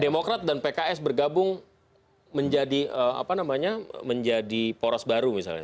demokrat dan pks bergabung menjadi apa namanya menjadi poros baru misalnya